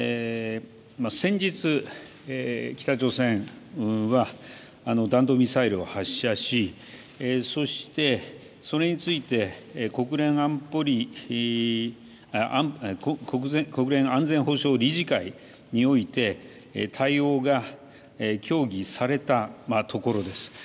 先日、北朝鮮は弾道ミサイルを発射しそして、それについて国連安全保障理事会において対応が協議されたところです。